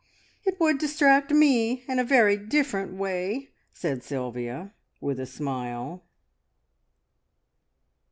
"It would distract me in a very different way!" said Sylvia, with a smile.